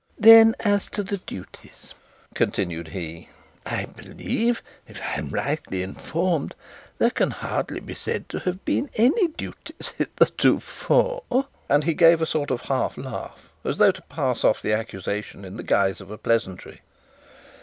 'Then, as to duties,' continued he, 'I believe, if I am rightly informed, there can hardly be said to have been any duties hitherto,' and he gave a sort of half laugh, as though to pass off the accusation in the guise of a pleasantry.